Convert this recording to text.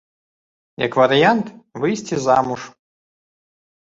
Як варыянт, выйсці замуж.